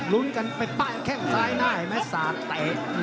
ลุ้นกันไปปะแข้งซ้ายหน้าเห็นไหมสาดเตะ